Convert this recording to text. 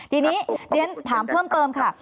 ทีนี้เรียนถามเพิ่มเติมค่ะ